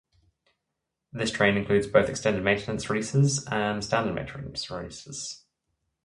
This train includes both extended maintenance releases and standard maintenance releases.